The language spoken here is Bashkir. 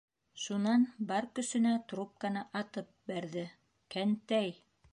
Шунан бар көсөнә трубканы атып бәрҙе: «Кәнтәй!»